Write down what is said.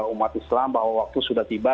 umat islam bahwa waktu sudah tiba